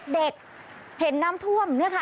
เด็กเห็นน้ำท่วมนี่ค่ะ